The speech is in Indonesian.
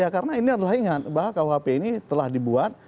karena ini adalah ingat bahwa kuhp ini telah dibuat